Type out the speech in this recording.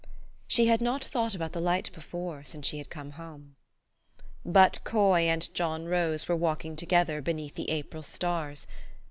She had not thought about the light before, since she had come home. But Coy and John Rose were walking together oeneath the April stars.